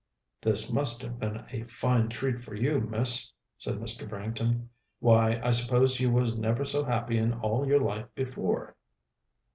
"This must have been a fine treat for you, Miss," said Mr. Branghton; "why, I suppose you was never so happy in all your life before?"